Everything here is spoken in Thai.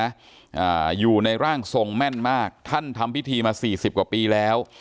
อ่าอยู่ในร่างทรงแม่นมากท่านทำพิธีมาสี่สิบกว่าปีแล้ว